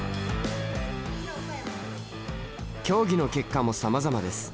競技の結果もさまざまです。